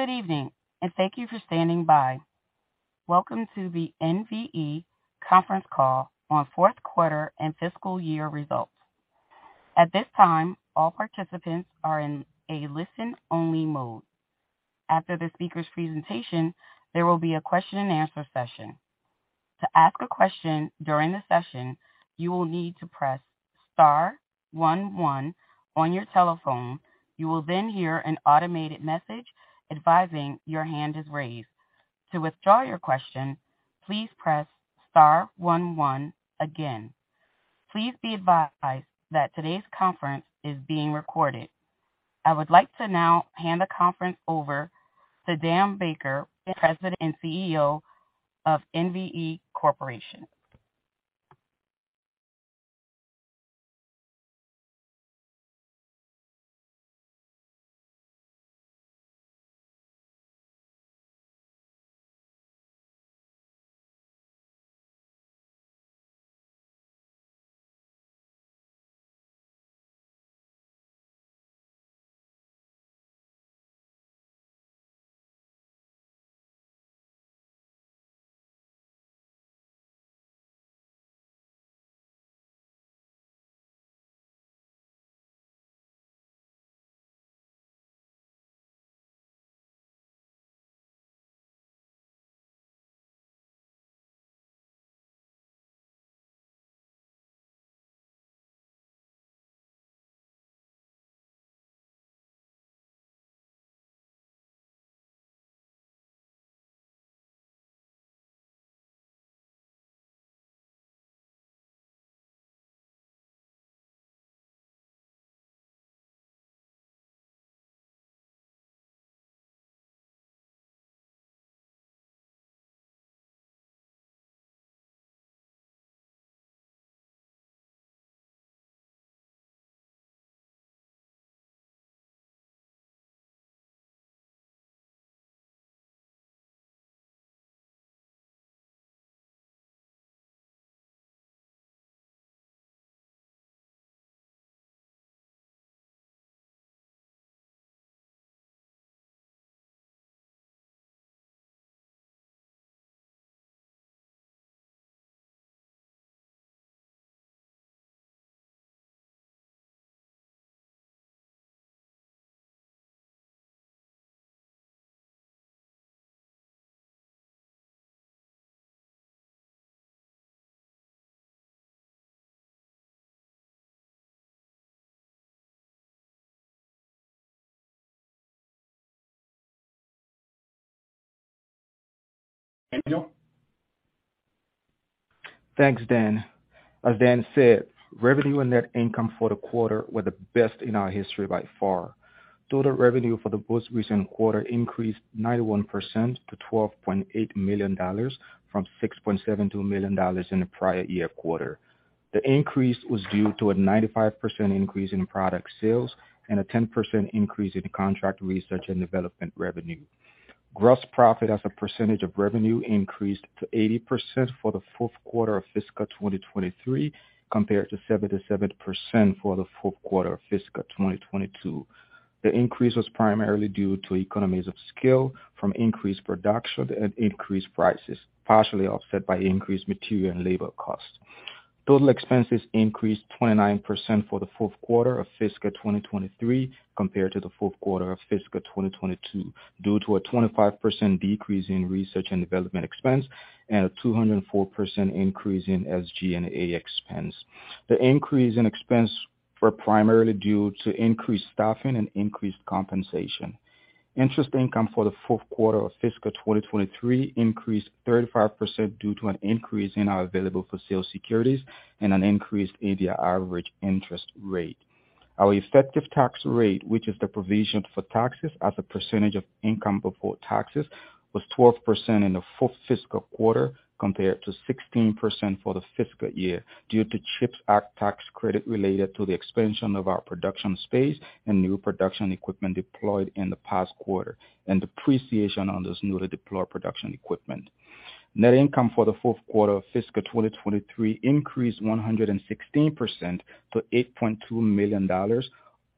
Good evening, and thank you for standing by. Welcome to the NVE Conference Call on Fourth Quarter and Fiscal Year Results. At this time, all participants are in a listen-only mode. After the speaker's presentation, there will be a question-and-answer session. To ask a question during the session, you will need to press star one one on your telephone. You will then hear an automated message advising your hand is raised. To withdraw your question, please press star one one again. Please be advised that today's conference is being recorded. I would like to now hand the conference over to Dan Baker, President and CEO of NVE Corporation. Thank you. Thanks, Dan. As Dan said, revenue and net income for the both recent quarter were the best in our history by far. Total revenue for the both recent quarter increased 91% to $12.8 million from $6.72 million in the prior year quarter. The increase was due to a 95% increase in product sales and a 10% increase in contract research and development revenue. Gross profit as a percentage of revenue increased to 80% for the fourth quarter of fiscal 2023 compared to 77% for the fourth quarter of fiscal 2022. The increase was primarily due to economies of scale from increased production and increased prices, partially offset by increased material and labor costs. Total expenses increased 29% for the fourth quarter of fiscal 2023 compared to the fourth quarter of fiscal 2022 due to a 25% decrease in research and development expense and a 204% increase in SG&A expense. The increase in expense was primarily due to increased staffing and increased compensation. Interest income for the fourth quarter of fiscal 2023 increased 35% due to an increase in our available for sale securities and an increased AIR average interest rate. Our effective tax rate, which is the provision for taxes as a percentage of income before taxes, was 12% in the fourth fiscal quarter compared to 16% for the fiscal year due to CHIPS Act tax credit related to the expansion of our production space and new production equipment deployed in the past quarter and depreciation on this newly deployed production equipment. Net income for the fourth quarter of fiscal 2023 increased 116% to $8.2 million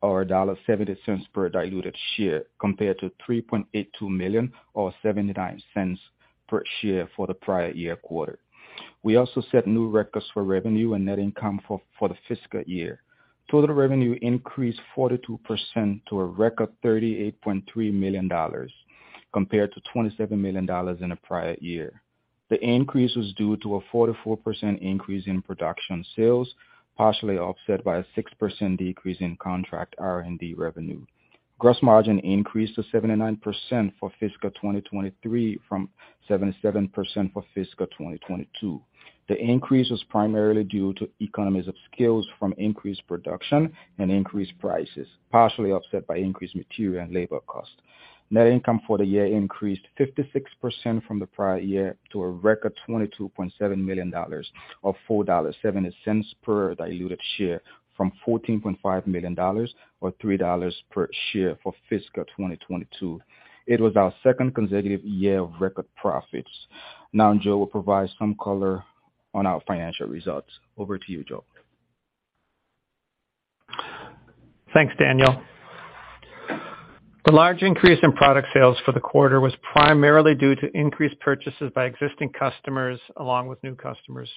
or $0.70 per diluted share compared to $3.82 million or $0.79 per share for the prior year quarter. We also set new records for revenue and net income for the fiscal year. Total revenue increased 42% to a record $38.3 million compared to $27 million in the prior year. The increase was due to a 44% increase in production sales, partially offset by a 6% decrease in contract R&D revenue. Gross margin increased to 79% for fiscal 2023 from 77% for fiscal 2022. The increase was primarily due to economies of scale from increased production and increased prices, partially offset by increased material and labor costs. Net income for the year increased 56% from the prior year to a record $22.7 million or $4.07 per diluted share from $14.5 million or $3 per share for fiscal 2022. It was our second consecutive year of record profits. Joe will provide some color on our financial results. Over to you, Joe. Thanks, Daniel. The large increase in product sales for the quarter was primarily due to increased purchases by existing customers along with new customers.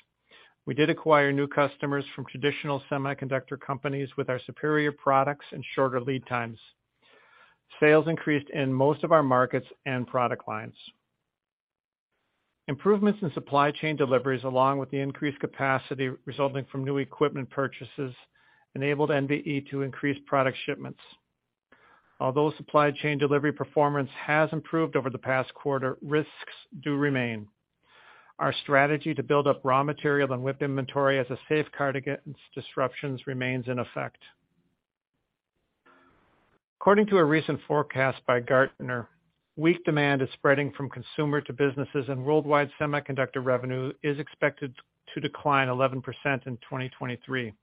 We did acquire new customers from traditional semiconductor companies with our superior products and shorter lead times. Sales increased in most of our markets and product lines. Improvements in supply chain deliveries along with the increased capacity resulting from new equipment purchases enabled NVE to increase product shipments. Although supply chain delivery performance has improved over the past quarter, risks do remain. Our strategy to build up raw material and with inventory as a safeguard against disruptions remains in effect. According to a recent forecast by Gartner, weak demand is spreading from consumer to businesses and worldwide semiconductor revenue is expected to decline 11% in 2023.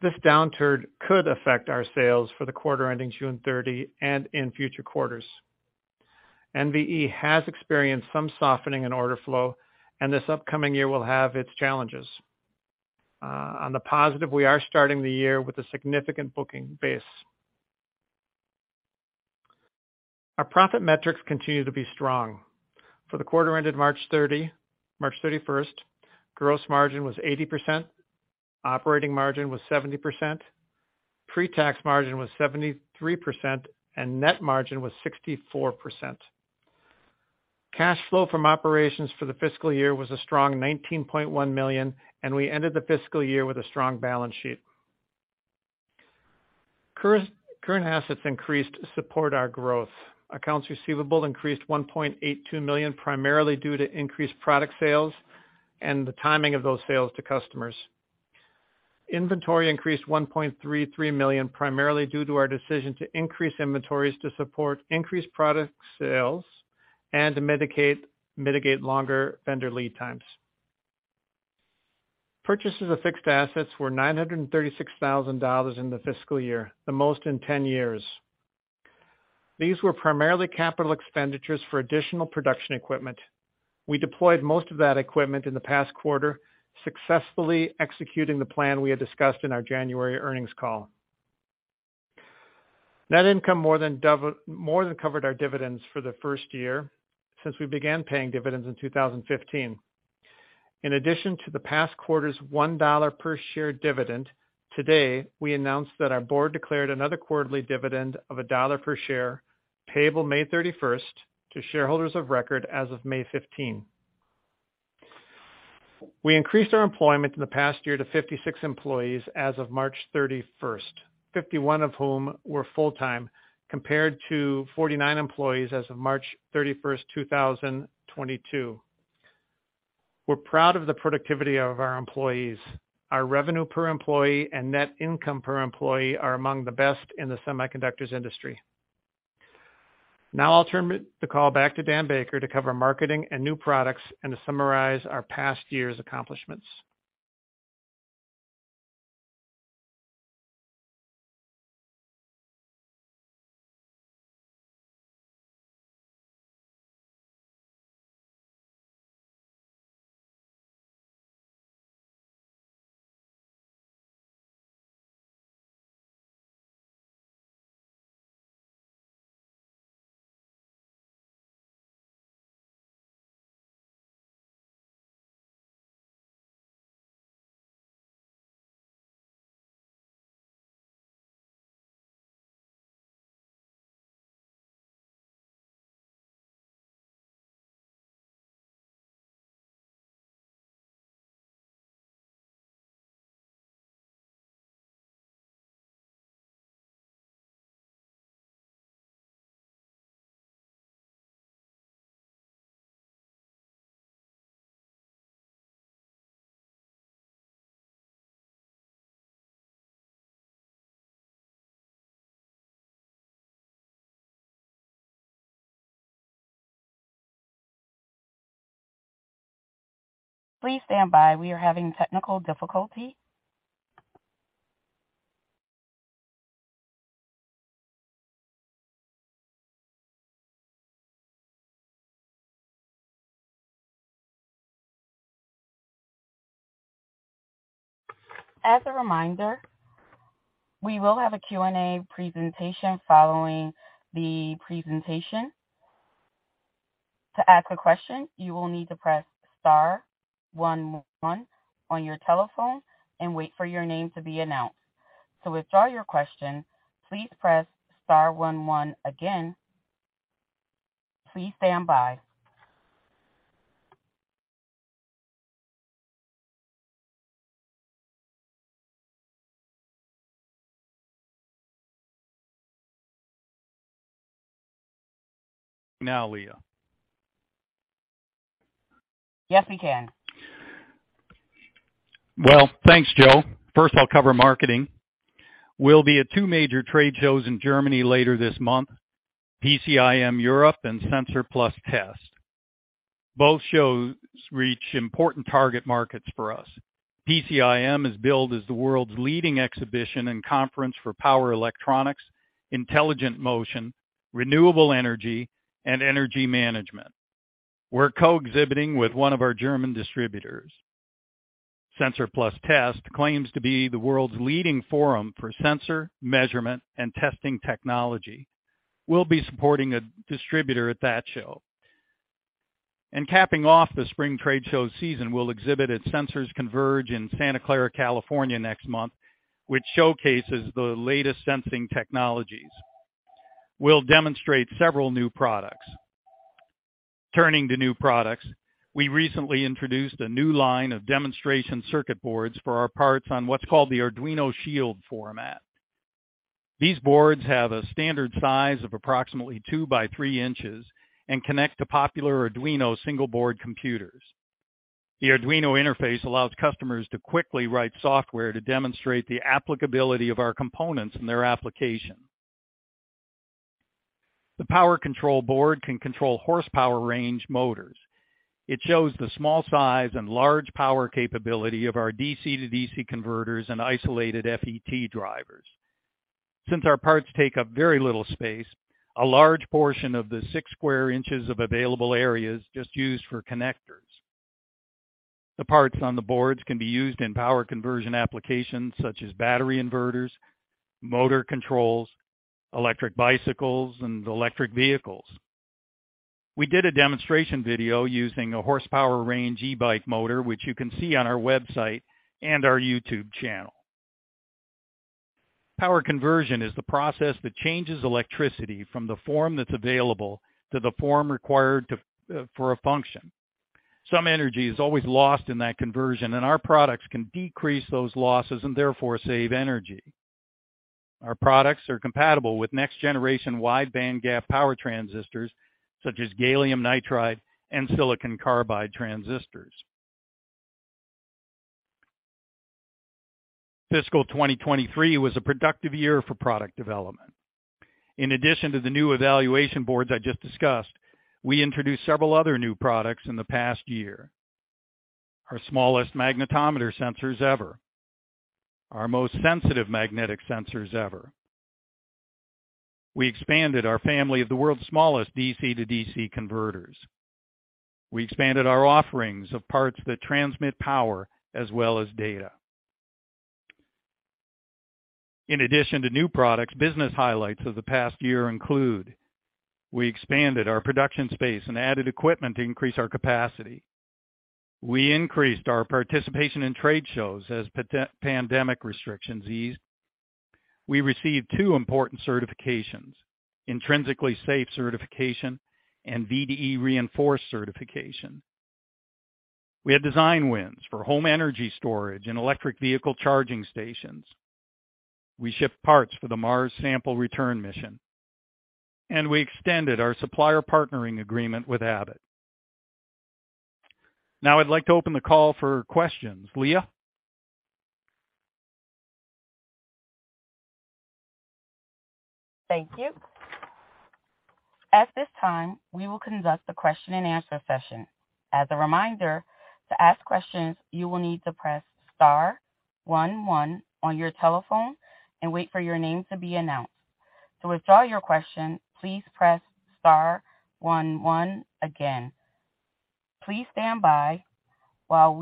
This downturn could affect our sales for the quarter ending June 30 and in future quarters. NVE has experienced some softening in order flow and this upcoming year will have its challenges. On the positive, we are starting the year with a significant booking base. Our profit metrics continue to be strong. For the quarter ended March 30, March 31st, gross margin was 80%, operating margin was 70%, pre-tax margin was 73%, and net margin was 64%. Cash flow from operations for the fiscal year was a strong $19.1 million and we ended the fiscal year with a strong balance sheet. Current assets increased to support our growth. Accounts receivable increased $1.82 million primarily due to increased product sales and the timing of those sales to customers. Inventory increased $1.33 million primarily due to our decision to increase inventories to support increased product sales and to mitigate longer vendor lead times. Purchases of fixed assets were $936,000 in the fiscal year, the most in 10 years. These were primarily capital expenditures for additional production equipment. We deployed most of that equipment in the past quarter successfully executing the plan we had discussed in our January earnings call. Net income more than covered our dividends for the first year since we began paying dividends in 2015. In addition to the past quarter's $1 per share dividend, today we announced that our board declared another quarterly dividend of $1 per share payable May 31st to shareholders of record as of May 15th. We increased our employment in the past year to 56 employees as of March 31st, 51 of whom were full-time compared to 49 employees as of March 31st, 2022. We're proud of the productivity of our employees. Our revenue per employee and net income per employee are among the best in the semiconductors industry. Now I'll turn the call back to Dan Baker to cover marketing and new products and to summarize our past year's accomplishments. Please stand by. We are having technical difficulty. As a reminder, we will have a Q&A presentation following the presentation. To ask a question, you will need to press star one one on your telephone and wait for your name to be announced. To withdraw your question, please press star one one again. Please stand by. Now, Leah. Yes, we can. Well, thanks, Joe. First, I'll cover marketing. We'll be at two major trade shows in Germany later this month: PCIM Europe and SENSOR+TEST. Both shows reach important target markets for us. PCIM is billed as the world's leading exhibition and conference for power electronics, intelligent motion, renewable energy, and energy management. We're co-exhibiting with one of our German distributors. SENSOR+TEST claims to be the world's leading forum for sensor, measurement, and testing technology. We'll be supporting a distributor at that show. Capping off the spring trade show season, we'll exhibit at Sensors Converge in Santa Clara, California next month, which showcases the latest sensing technologies. We'll demonstrate several new products. Turning to new products, we recently introduced a new line of demonstration circuit boards for our parts on what's called the Arduino Shield format. These boards have a standard size of approximately two by three inches and connect to popular Arduino single-board computers. The Arduino Interface allows customers to quickly write software to demonstrate the applicability of our components in their application. The power control board can control horsepower range motors. It shows the small size and large power capability of our DC to DC converters and isolated FET drivers. Since our parts take up very little space, a large portion of the six square inches of available area is just used for connectors. The parts on the boards can be used in power conversion applications such as battery inverters, motor controls, electric bicycles, and electric vehicles. We did a demonstration video using a horsepower range e-bike motor, which you can see on our website and our YouTube channel. Power conversion is the process that changes electricity from the form that's available to the form required for a function. Some energy is always lost in that conversion, and our products can decrease those losses and therefore save energy. Our products are compatible with next-generation wide bandgap power transistors such as gallium nitride and silicon carbide transistors. Fiscal 2023 was a productive year for product development. In addition to the new evaluation boards I just discussed, we introduced several other new products in the past year: our smallest magnetometer sensors ever, our most sensitive magnetic sensors ever. We expanded our family of the world's smallest DC to DC converters. We expanded our offerings of parts that transmit power as well as data. In addition to new products, business highlights of the past year include: we expanded our production space and added equipment to increase our capacity; we increased our participation in trade shows as pandemic restrictions eased; we received two important certifications, intrinsically safe certification and VDE reinforced certification; we had design wins for home energy storage and electric vehicle charging stations; we shipped parts for the Mars Sample Return mission; and we extended our supplier partnering agreement with Abbott. Now I'd like to open the call for questions. Leah? Thank you. At this time, we will conduct the question-and-answer session. As a reminder, to ask questions, you will need to press star one one on your telephone and wait for your name to be announced. To withdraw your question, please press star one one again. Please stand by while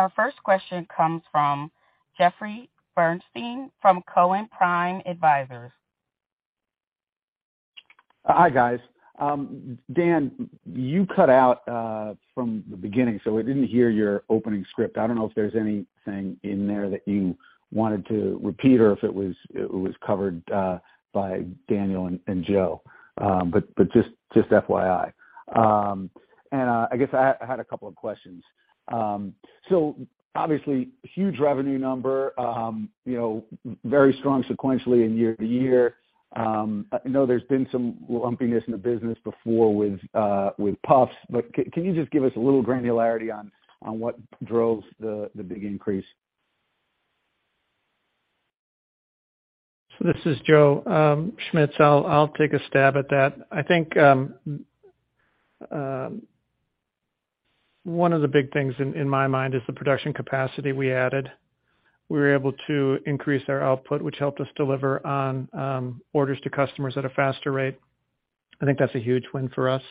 our first question comes from Jeffrey Bernstein from Cowen Prime Advisors. Hi, guys. Dan, you cut out from the beginning, so I didn't hear your opening script. I don't know if there's anything in there that you wanted to repeat or if it was covered by Daniel and Joe, but just FYI. I guess I had a couple of questions. Obviously, huge revenue number, very strong sequentially and year-over-year. I know there's been some lumpiness in the business before with PUFs, but can you just give us a little granularity on what drove the big increase? This is Joe Schmitz. I'll take a stab at that. I think one of the big things in my mind is the production capacity we added. We were able to increase our output, which helped us deliver on orders to customers at a faster rate. I think that's a huge win for us.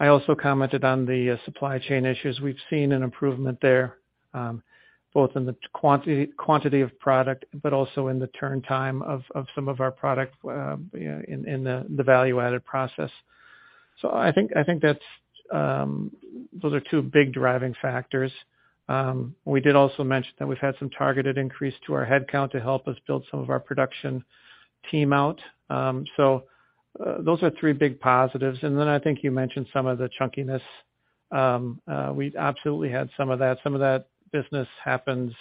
I also commented on the supply chain issues. We've seen an improvement there, both in the quantity of product but also in the turn time of some of our product in the value-added process. I think those are two big driving factors. We did also mention that we've had some targeted increase to our headcount to help us build some of our production team out. Those are three big positives. Then I think you mentioned some of the chunkiness. We absolutely had some of that. Some of that business happens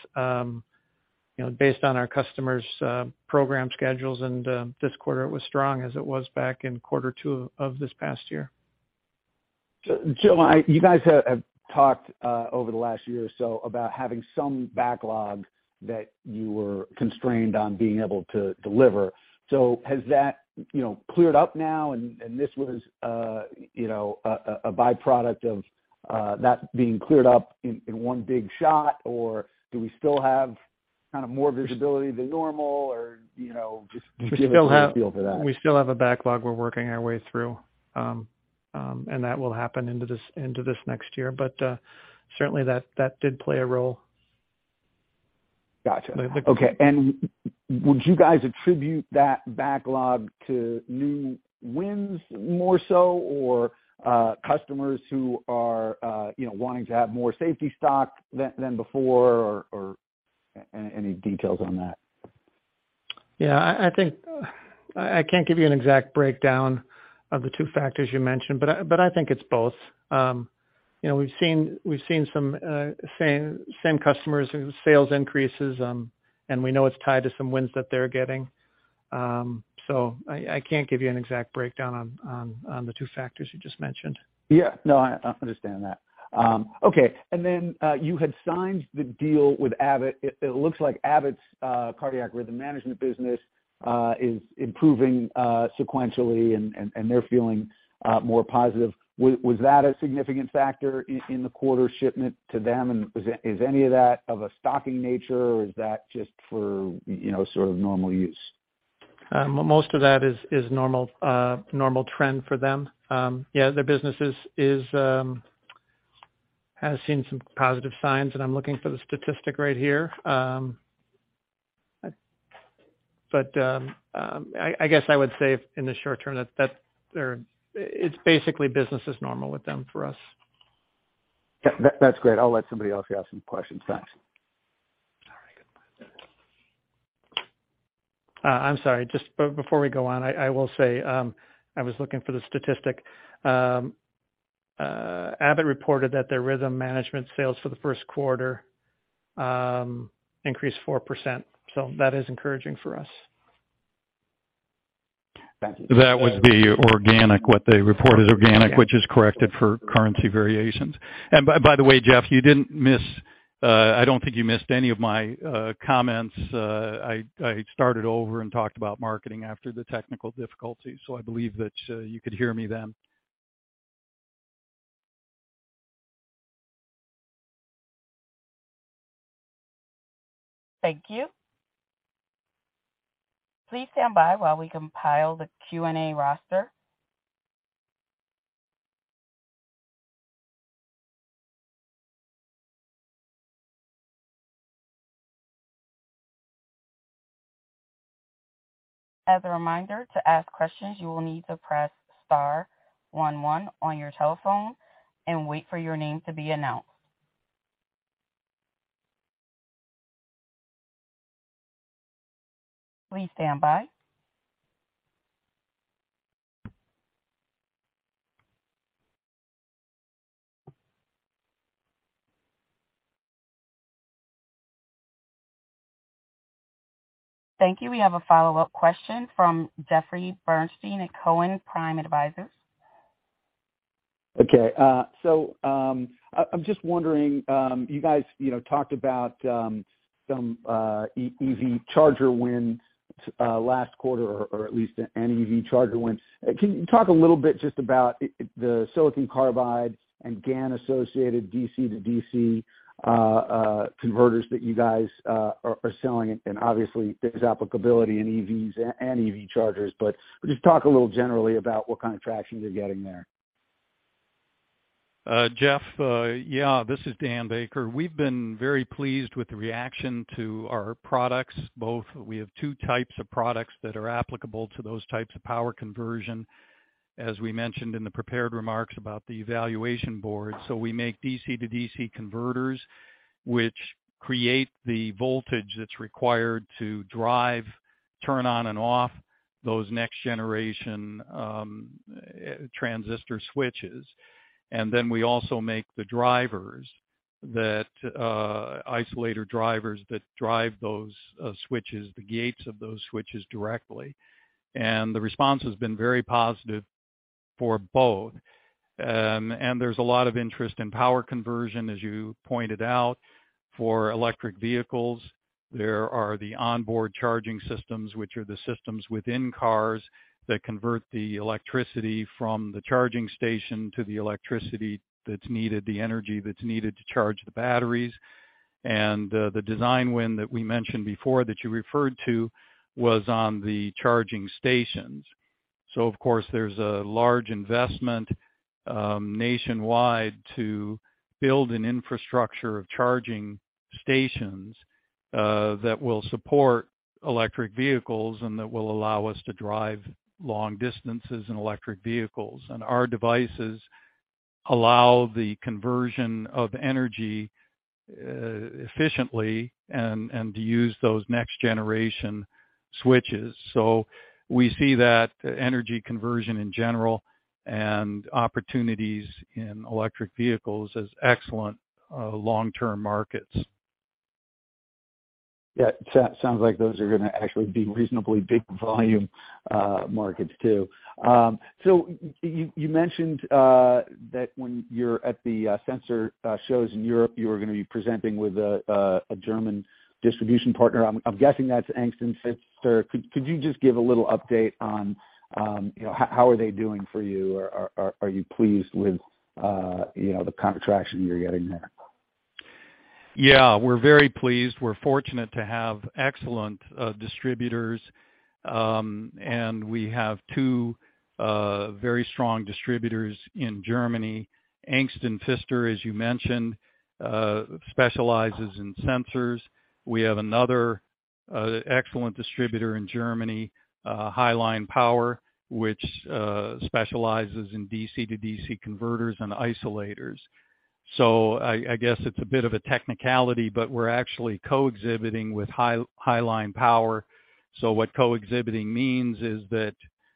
based on our customers' program schedules, and this quarter it was strong as it was back in quarter two of this past year. Joe, you guys have talked over the last year or so about having some backlog that you were constrained on being able to deliver. Has that cleared up now, and this was a byproduct of that being cleared up in one big shot, or do we still have kind of more visibility than normal or just give us a feel for that? We still have a backlog we're working our way through, and that will happen into this next year. Certainly, that did play a role. Gotcha. Okay. Would you guys attribute that backlog to new wins more so or customers who are wanting to have more safety stock than before, or any details on that? Yeah. I can't give you an exact breakdown of the two factors you mentioned, but I think it's both. We've seen some same customers' sales increases, and we know it's tied to some wins that they're getting. I can't give you an exact breakdown on the two factors you just mentioned. Yeah. No, I understand that. Okay. You had signed the deal with Abbott. It looks like Abbott's Cardiac Rhythm Management business is improving sequentially, and they're feeling more positive. Was that a significant factor in the quarter shipment to them, and is any of that of a stocking nature, or is that just for sort of normal use? Most of that is normal trend for them. Yeah, their business has seen some positive signs, and I'm looking for the statistic right here. I guess I would say in the short term that it's basically business as normal with them for us. That's great. I'll let somebody else ask some questions. Thanks. All right. Goodbye. I'm sorry. Just before we go on, I will say I was looking for the statistic. Abbott reported that their rhythm management sales for the first quarter increased 4%. That is encouraging for us. Thank you. That would be organic, what they report as organic, which is corrected for currency variations. By the way, Jeff, you didn't miss I don't think you missed any of my comments. I started over and talked about marketing after the technical difficulties. I believe that you could hear me then. Thank you. Please stand by while we compile the Q&A roster. As a reminder, to ask questions, you will need to press star one one on your telephone and wait for your name to be announced. Please stand by. Thank you. We have a follow-up question from Jeffrey Bernstein at Cowen Prime Advisors. I'm just wondering, you guys talked about some EV charger wins last quarter or at least an EV charger win. Can you talk a little bit just about the Silicon Carbide and GaN-associated DC to DC converters that you guys are selling? Obviously, there's applicability in EVs and EV chargers, but just talk a little generally about what kind of traction you're getting there. Jeff, yeah, this is Dan Baker. We've been very pleased with the reaction to our products. We have two types of products that are applicable to those types of power conversion, as we mentioned in the prepared remarks about the evaluation board. We make DC to DC converters, which create the voltage that's required to drive, turn on, and off those next-generation transistor switches. We also make the drivers, the isolator drivers that drive those switches, the gates of those switches directly. The response has been very positive for both. There's a lot of interest in power conversion, as you pointed out. For electric vehicles, there are the onboard charging systems, which are the systems within cars that convert the electricity from the charging station to the electricity that's needed, the energy that's needed to charge the batteries. The design win that we mentioned before that you referred to was on the charging stations. Of course, there's a large investment nationwide to build an infrastructure of charging stations that will support electric vehicles and that will allow us to drive long distances in electric vehicles. Our devices allow the conversion of energy efficiently and to use those next-generation switches. We see that energy conversion in general and opportunities in electric vehicles as excellent long-term markets. It sounds like those are going to actually be reasonably big volume markets too. You mentioned that when you're at the sensor shows in Europe, you were going to be presenting with a German distribution partner. I'm guessing that's Angst+Pfister. Could you just give a little update on how are they doing for you? Are you pleased with the kind of traction you're getting there? Yeah. We're very pleased. We're fortunate to have excellent distributors. We have two very strong distributors in Germany. Angst+Pfister, as you mentioned, specializes in sensors. We have another excellent distributor in Germany, Highline Power, which specializes in DC to DC converters and isolators. I guess it's a bit of a technicality, but we're actually co-exhibiting with Highline Power. What co-exhibiting means is that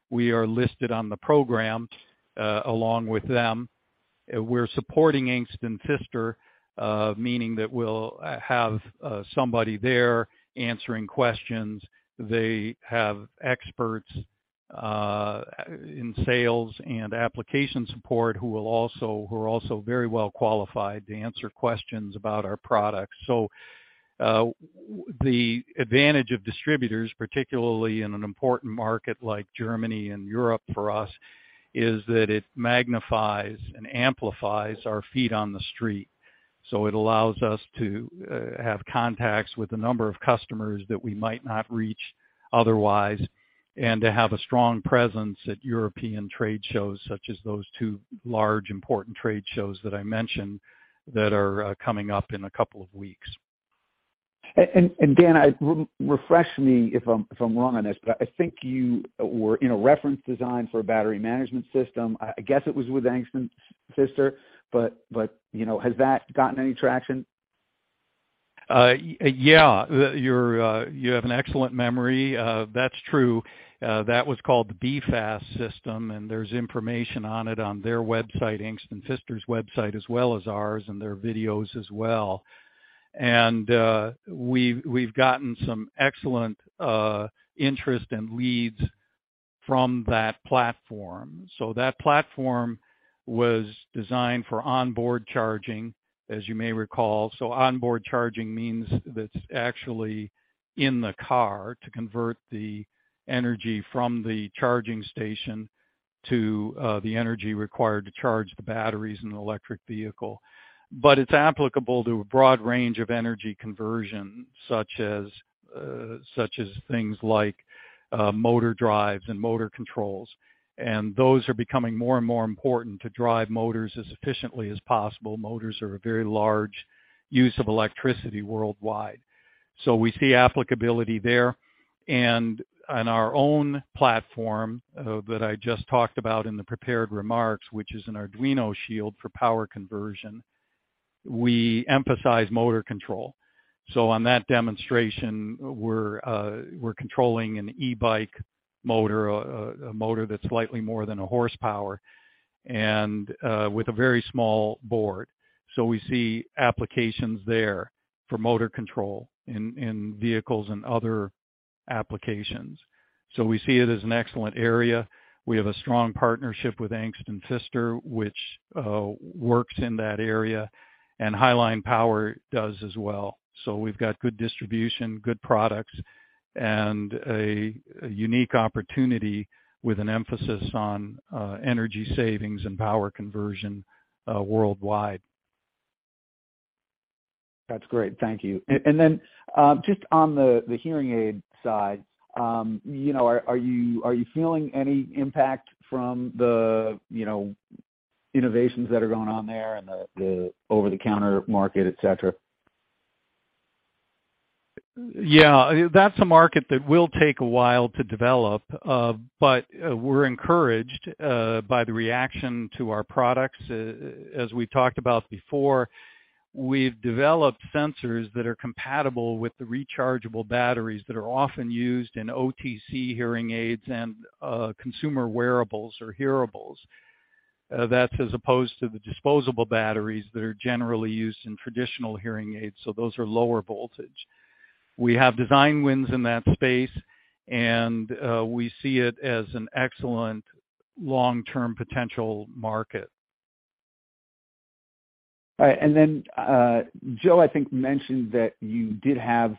we are listed on the program along with them. We're supporting Angst+Pfister, meaning that we'll have somebody there answering questions. They have experts in sales and application support who are also very well qualified to answer questions about our products. The advantage of distributors, particularly in an important market like Germany and Europe for us, is that it magnifies and amplifies our feet on the street. It allows us to have contacts with a number of customers that we might not reach otherwise and to have a strong presence at European trade shows such as those two large, important trade shows that I mentioned that are coming up in a couple of weeks. Dan, refresh me if I'm wrong on this, but I think you were reference design for a battery management system. I guess it was with Angst+Pfister, but has that gotten any traction? Yeah. You have an excellent memory. That's true. That was called the BeFAST system. There's information on it on their website, Angst+Pfister's website as well as ours. There are videos as well. We've gotten some excellent interest and leads from that platform. That platform was designed for onboard charging, as you may recall. Onboard charging means that it's actually in the car to convert the energy from the charging station to the energy required to charge the batteries in an electric vehicle. It's applicable to a broad range of energy conversion such as things like motor drives and motor controls. Those are becoming more and more important to drive motors as efficiently as possible. Motors are a very large use of electricity worldwide. We see applicability there. On our own platform that I just talked about in the prepared remarks, which is an Arduino Shield for power conversion, we emphasize motor control. On that demonstration, we're controlling an e-bike motor, a motor that's slightly more than a horsepower, and with a very small board. We see applications there for motor control in vehicles and other applications. We see it as an excellent area. We have a strong partnership with Angst+Pfister, which works in that area, and Highline Power does as well. We've got good distribution, good products, and a unique opportunity with an emphasis on energy savings and power conversion worldwide. That's great. Thank you. Just on the hearing aid side, are you feeling any impact from the innovations that are going on there and the over-the-counter market, etc.? Yeah. That's a market that will take a while to develop, but we're encouraged by the reaction to our products. As we've talked about before, we've developed sensors that are compatible with the rechargeable batteries that are often used in OTC hearing aids and consumer wearables or hearables. That's as opposed to the disposable batteries that are generally used in traditional hearing aids. Those are lower voltage. We have design wins in that space, and we see it as an excellent long-term potential market. All right. Joe, I think mentioned that you did have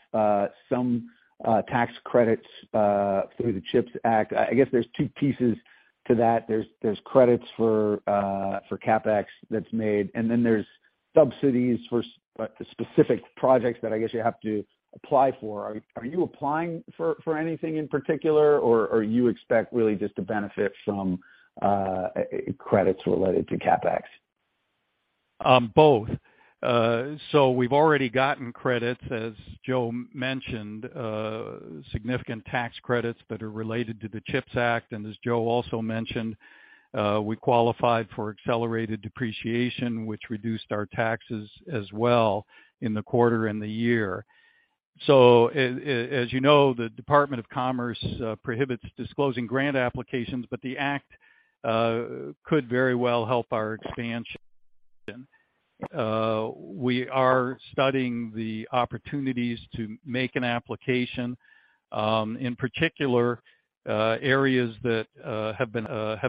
some tax credits through the CHIPS Act. I guess there's two pieces to that. There's credits for CapEx that's made, and then there's subsidies for specific projects that I guess you have to apply for. Are you applying for anything in particular, or do you expect really just to benefit from credits related to CapEx? Both. We've already gotten credits, as Joe mentioned, significant tax credits that are related to the CHIPS Act. As Joe also mentioned, we qualified for accelerated depreciation, which reduced our taxes as well in the quarter and the year. As you know, the Department of Commerce prohibits disclosing grant applications, but the act could very well help our expansion. We are studying the opportunities to make an application. In particular, areas that have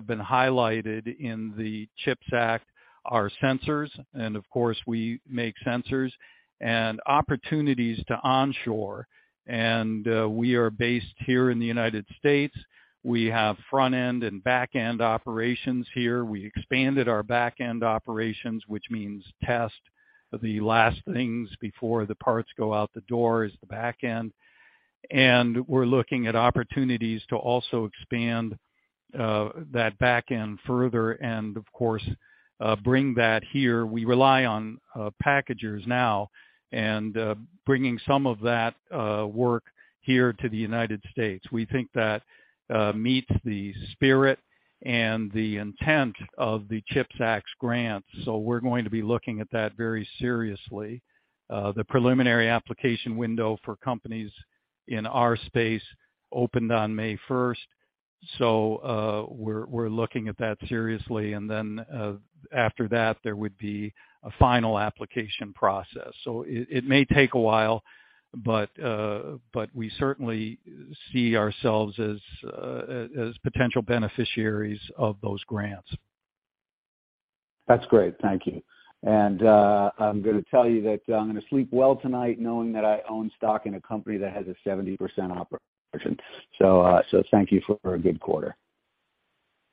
been highlighted in the CHIPS Act are sensors. Of course, we make sensors and opportunities to onshore. We are based here in the United States. We have front-end and back-end operations here. We expanded our back-end operations, which means test the last things before the parts go out the door is the back-end. We're looking at opportunities to also expand that back-end further and, of course, bring that here. We rely on packagers now and bringing some of that work here to the United States. We think that meets the spirit and the intent of the CHIPS Act's grants. We're going to be looking at that very seriously. The preliminary application window for companies in our space opened on May 1st. We're looking at that seriously. After that, there would be a final application process. It may take a while, but we certainly see ourselves as potential beneficiaries of those grants. That's great. Thank you. I'm going to tell you that I'm going to sleep well tonight knowing that I own stock in a company that has a 70% operation. Thank you for a good quarter.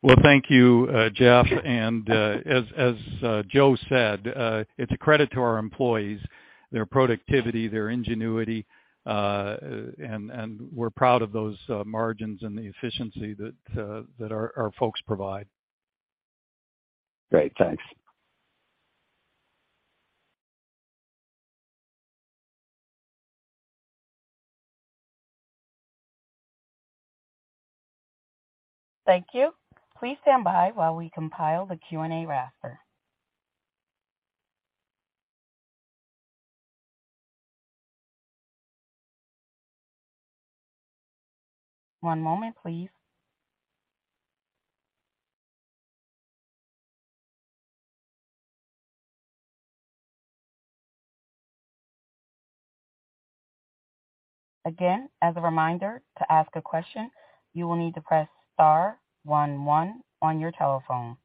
Well, thank you, Jeff. As Joe said, it's a credit to our employees, their productivity, their ingenuity. We're proud of those margins and the efficiency that our folks provide. Great. Thanks. Thank you. Please stand by while we compile the Q&A roster. One moment, please. Again, as a reminder, to ask a question, you will need to press star one one on your telephone.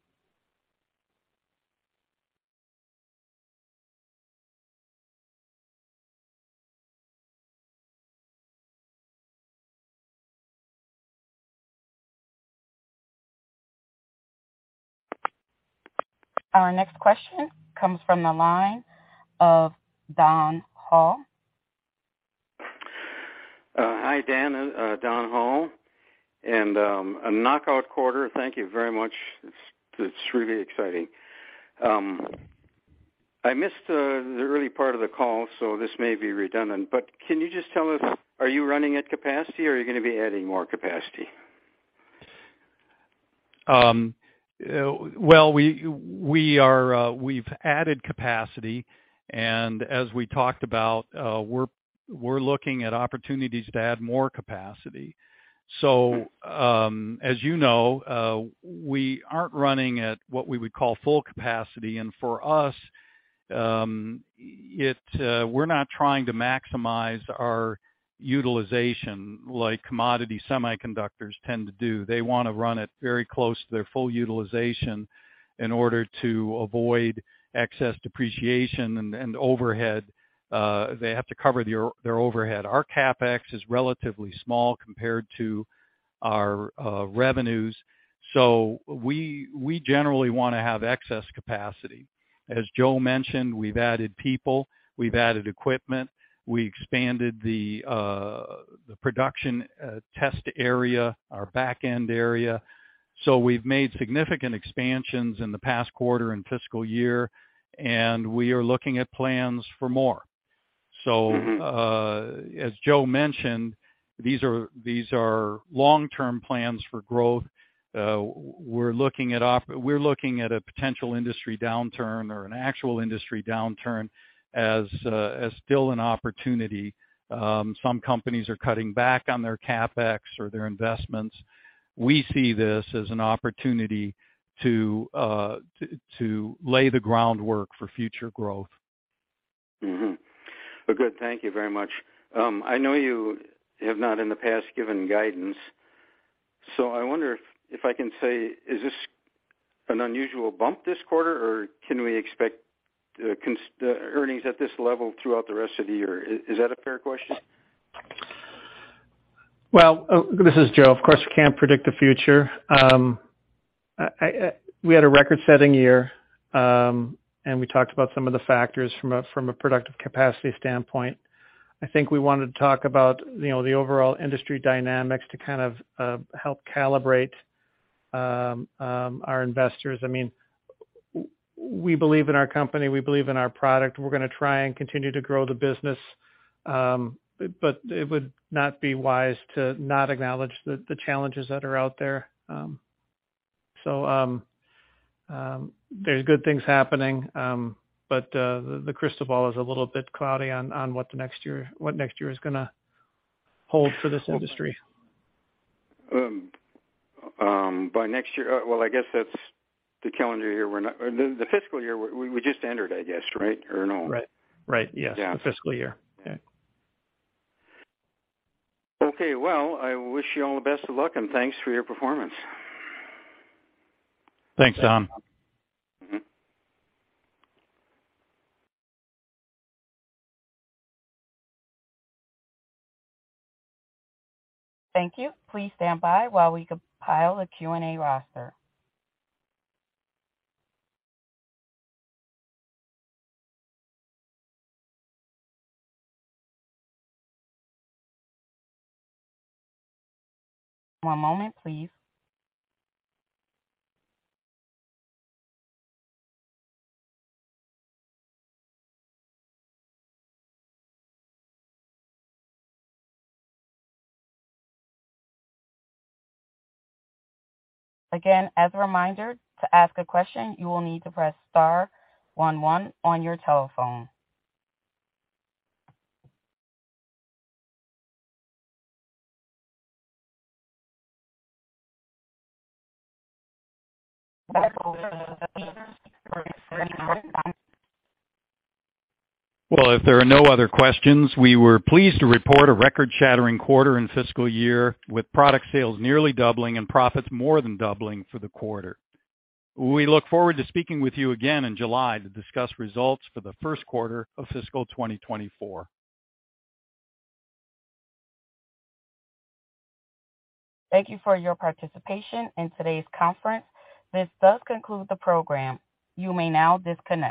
Our next question comes from the line of Don Hall. Hi, Dan. Don Hall. A knockout quarter. Thank you very much. It's really exciting. I missed the early part of the call, so this may be redundant. Can you just tell us, are you running at capacity, or are you going to be adding more capacity? We've added capacity. As we talked about, we're looking at opportunities to add more capacity. As you know, we aren't running at what we would call full capacity. For us, we're not trying to maximize our utilization like commodity semiconductors tend to do. They want to run it very close to their full utilization in order to avoid excess depreciation and overhead. They have to cover their overhead. Our CapEx is relatively small compared to our revenues. We generally want to have excess capacity. As Joe mentioned, we've added people. We've added equipment. We expanded the production test area, our back-end area. We've made significant expansions in the past quarter and fiscal year, and we are looking at plans for more. As Joe mentioned, these are long-term plans for growth. We're looking at a potential industry downturn or an actual industry downturn as still an opportunity. Some companies are cutting back on their CapEx or their investments. We see this as an opportunity to lay the groundwork for future growth. Well, good. Thank you very much. I know you have not in the past given guidance. I wonder if I can say, is this an unusual bump this quarter, or can we expect earnings at this level throughout the rest of the year? Is that a fair question? This is Joe. Of course, we can't predict the future. We had a record-setting year, and we talked about some of the factors from a productive capacity standpoint. I think we wanted to talk about the overall industry dynamics to kind of help calibrate our investors. I mean, we believe in our company. We believe in our product. We're going to try and continue to grow the business, but it would not be wise to not acknowledge the challenges that are out there. There's good things happening, but the crystal ball is a little bit cloudy on what next year is going to hold for this industry. By next year well, I guess that's the calendar year we're not the fiscal year we just entered, I guess, right, Erin Ohm? Right. Right. Yes. The fiscal year. Yeah. Okay. Well, I wish you all the best of luck, and thanks for your performance. Thanks, Don. Thank you. Please stand by while we compile the Q&A roster. One moment, please. Again, as a reminder, to ask a question, you will need to press star one one on your telephone. Well, if there are no other questions, we were pleased to report a record-shattering quarter and fiscal year with product sales nearly doubling and profits more than doubling for the quarter. We look forward to speaking with you again in July to discuss results for the first quarter of fiscal 2024. Thank you for your participation in today's conference. This does conclude the program. You may now disconnect.